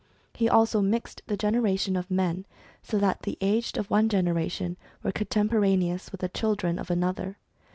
He also mixed the generations of men, so that the aged of one generation were contemporaneous with the children of another.